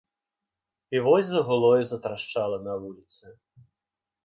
І вось загуло і затрашчала на вуліцы.